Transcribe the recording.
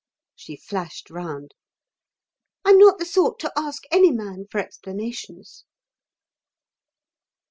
She flashed round. "I'm not the sort to ask any man for explanations."